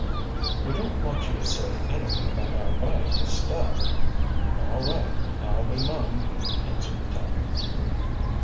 "We don't want you to say anything about our buying this stuff." "All right, I'll be mum," answered the tavern keeper.